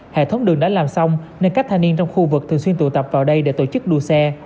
hệ thống đường đã làm xong nên các thanh niên trong khu vực thường xuyên tụ tập vào đây để tổ chức đua xe